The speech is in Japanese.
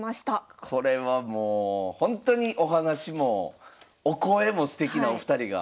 これはもうほんとにお話もお声もすてきなお二人が。